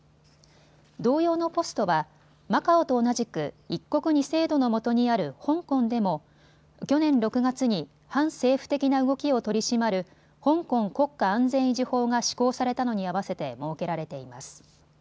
同様のポストはマカオと同じく一国二制度のもとにある香港でも去年６月に反政府的な動きを取り締まる香港国家安全維持法が施行されたのに合わせて設けられています。